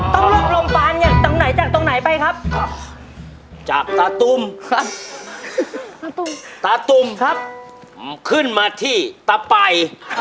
ลูกลมปานจากตรงไหนจากตรงไหนไปครับจากตาตุ้มครับตาตุมตาตุมครับขึ้นมาที่ตาไป